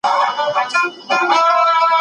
زموږ په ټولنه کې ډېر خلک کاپي دي.